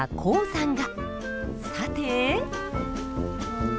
さて。